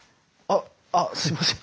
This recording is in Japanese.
あっすいません。